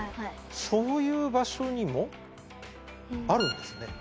そういう場所にもあるんですね。